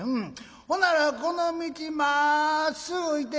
ほならこの道まっすぐ行てくれ」。